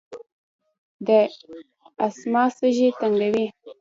د اسثما سږي تنګوي.